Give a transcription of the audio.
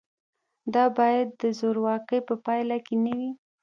دا باید د زورواکۍ په پایله کې نه وي.